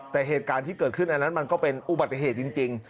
แต่เหตุการณ์ที่เกิดขึ้นอันนั้นมันก็เป็นอุบัติเหตุจริง